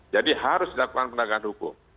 harus dilakukan penegakan hukum